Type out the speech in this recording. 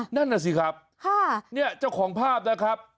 นั่นน่ะสิครับเห้อนี่ของภาพนะครับ